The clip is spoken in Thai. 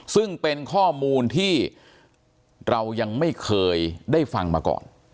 ซึ่งเป็นข้อมูลที่เรายังไม่เคยได้ฟังมาก่อน